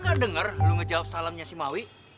gue gak dengar lo ngejawab salamnya si mawi